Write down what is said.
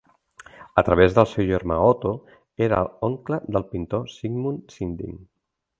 A través del seu germà Otto era oncle del pintor Sigmund Sinding.